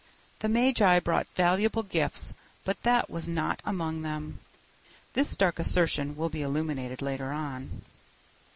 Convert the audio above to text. The magi brought valuable gifts, but that was not among them. This dark assertion will be illuminated later on.